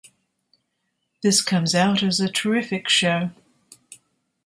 This comes out as a terrific show.